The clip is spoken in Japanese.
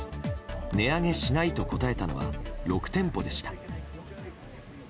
値上げしないと答えたのは６店舗でした。